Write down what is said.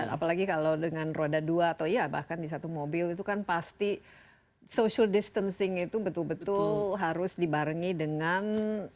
apalagi kalau dengan roda dua atau iya bahkan di satu mobil itu kan pasti social distancing itu betul betul harus dibarengi dengan